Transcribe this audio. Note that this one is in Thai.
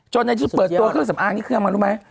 ในที่เปิดตัวเครื่องสำอางนี่คือเอามารู้ไหม